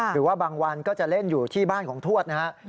หรือว่าบางวันก็จะเล่นอยู่ที่บ้านของทวดนะฮะ